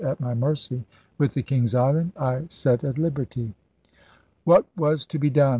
at my mercy] with the King's Island ... I set at liberty. ' What was to be done?